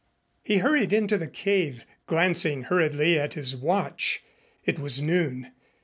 He hurried into the cave, glancing hurriedly at his watch. It was noon.